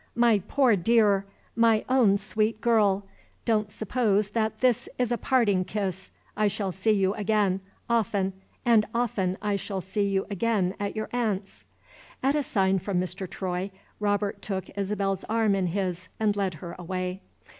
"My poor dear! My own sweet girl! don't suppose that this is a parting kiss! I shall see you again often and often I shall see you again at your aunt's!" At a sign from Mr. Troy, Robert took Isabel's arm in his and led her away.